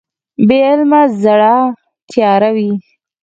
بې علمه زړه تیاره وي.